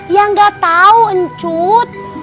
ya gak tau encut